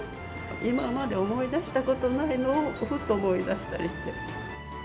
今まで思い出したことないものをふっと思い出したりして。